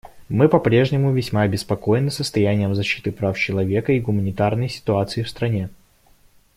Мы по-прежнему весьма обеспокоены состоянием защиты прав человека и гуманитарной ситуацией в стране.